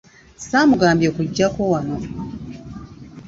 Saamugambye kujjako wano.